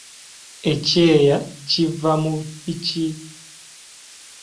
Ekyeya kivaamu biki?